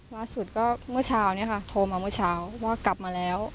ล่าสุดก็เมื่อเช้าเนี่ยค่ะโทรมาเมื่อเช้าว่ากลับมาแล้ว